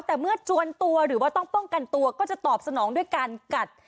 แต่เมื่อจวนตัวหรือว่าต้องป้องกันตัวก็จะตอบสนองด้วยการกัด